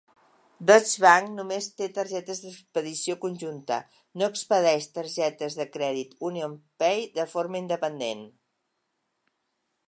Deutsche Bank només té targetes d'expedició conjunta, no expedeix targetes de crèdit UnionPay de forma independent.